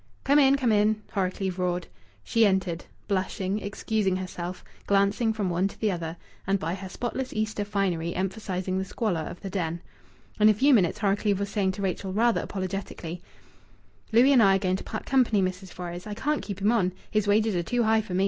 "Come in, come in!" Horrocleave roared. She entered, blushing, excusing herself, glancing from one to the other, and by her spotless Easter finery emphasizing the squalor of the den. In a few minutes Horrocleave was saying to Rachel, rather apologetically "Louis and I are going to part company, Mrs. Fores. I can't keep him on. His wages are too high for me.